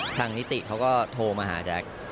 นิติเขาก็โทรมาหาแจ๊ค